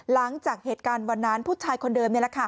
หลังจากเหตุการณ์วันนั้นผู้ชายคนเดิมนี่แหละค่ะ